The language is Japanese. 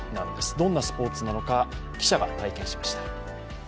どんなスポーツなのか記者が体験しました。